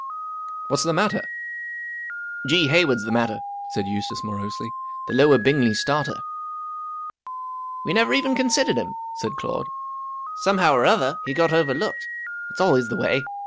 44 What's the matter ?"" G. Hayward's the matter," said Eustace, morosely. 44 The Lower Bingley starter." "We never even considered him," said Claude. " Somehow or other, he got over¬ looked. It's always the way.